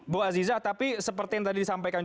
bu aziza tapi seperti yang tadi disampaikan